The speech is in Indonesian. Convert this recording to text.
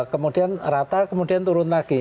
kemudian rata kemudian turun lagi